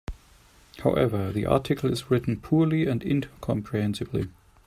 However, the article is written poorly and incomprehensibly.